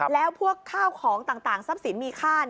แล้วพวกข้าวของต่างทรัพย์สินมีค่า